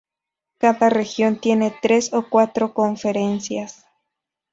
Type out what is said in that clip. Cada región tiene tres o cuatro conferencias.